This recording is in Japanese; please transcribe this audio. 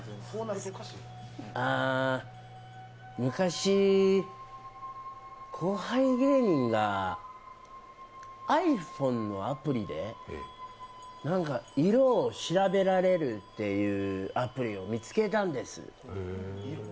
あ昔、後輩芸人がｉＰｈｏｎｅのアプリで何か色を調べられるっていうアプリを見つけたんです。